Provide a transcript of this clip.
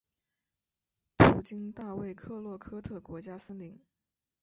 途经大卫克洛科特国家森林。